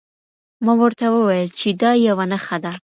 ما ورته وویل چي دا یوه نښه ده.